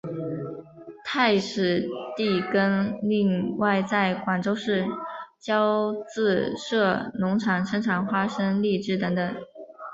太史第更另外在广州市郊自设农场生产花果荔枝等等。